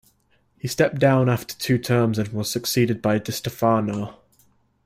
He stepped down after two terms and was succeeded by DeStefano.